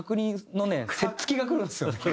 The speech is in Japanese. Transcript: せっつきがくるんですよ。